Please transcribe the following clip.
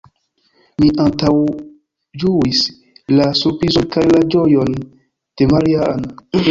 Mi antaŭĝuis la surprizon kaj la ĝojon de Maria-Ann.